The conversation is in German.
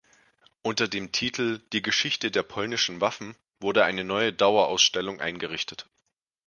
Unter dem Titel „Die Geschichte der polnischen Waffen“ wurde eine neue Dauerausstellung eingerichtet.